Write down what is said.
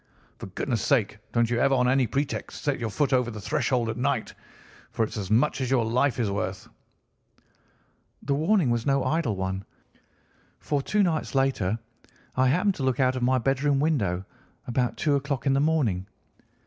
For goodness' sake don't you ever on any pretext set your foot over the threshold at night, for it's as much as your life is worth.' "The warning was no idle one, for two nights later I happened to look out of my bedroom window about two o'clock in the morning.